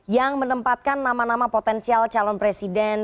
yang menempatkan nama nama potensial calon presiden